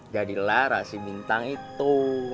jadilah rasi bintang itu